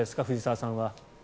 藤澤さんは。